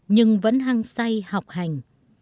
nhưng vẫn hăng say học hành